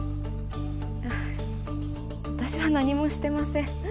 あっ私は何もしてません。